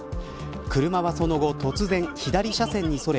車はその後突然左車線にそれ